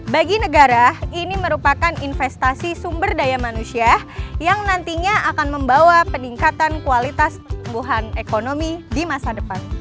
bagi negara ini merupakan investasi sumber daya manusia yang nantinya akan membawa peningkatan kualitas tumbuhan ekonomi di masa depan